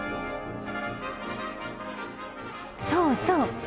そうそう。